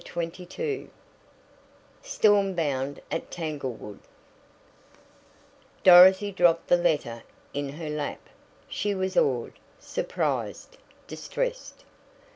CHAPTER XXII STORMBOUND AT TANGLEWOOD Dorothy dropped the letter in her lap. She was awed, surprised, distressed.